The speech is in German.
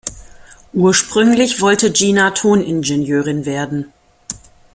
Ursprünglich wollte Gina Toningenieurin werden.